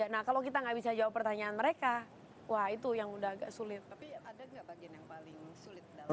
nah kalau kita nggak bisa jawab pertanyaan mereka wah itu yang udah agak sulit